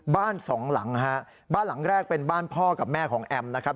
บ้านสองหลังฮะบ้านหลังแรกเป็นบ้านพ่อกับแม่ของแอมนะครับ